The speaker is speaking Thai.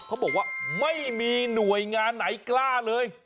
เขาบอกว่าไม่มีหน่วยงานไหนกล้าเลย